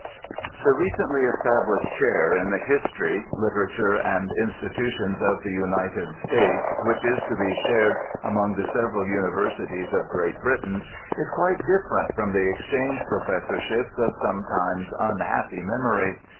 The recently established chair in the history, literature, and institutions of the United States which is to be shared among the several universities of Great Britain, is quite different from the exchange professorships of sometimes unhappy memory.